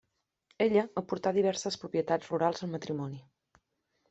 Ella aportà diverses propietats rurals al matrimoni.